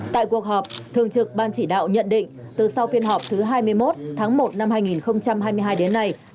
tại cuộc họp thường trực ban chỉ đạo nhận định từ sau phiên họp thứ hai mươi một tháng một năm hai nghìn hai mươi hai đến nay